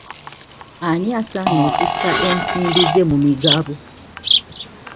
Ani asaana okussa ensimbi ze mu migabo?